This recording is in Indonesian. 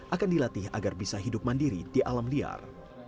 akan dilatih agar bisa hidup mandiri di alam liar